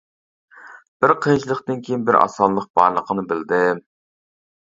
بىر قىيىنچىلىقتىن كېيىن بىر ئاسانلىق بارلىقىنى بىلدىم.